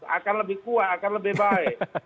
akan lebih kuat akan lebih baik